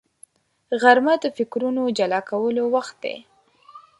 غرمه د فکرونو جلا کولو وخت دی